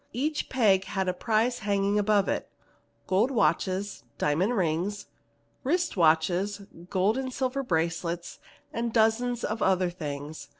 Each peg had a prize hanging above it: gold watches, diamond rings, wrist watches, gold and silver bracelets, and dozens of other things.